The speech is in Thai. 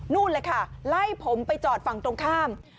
เลยค่ะไล่ผมไปจอดฝั่งตรงข้าม